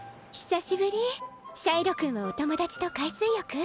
シャイロ君はお友達と海水浴？